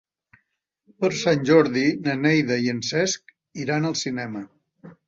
Per Sant Jordi na Neida i en Cesc iran al cinema.